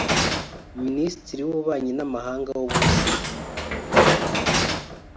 Minisitiri w’ububanyi n’amahanga w’u Burusiya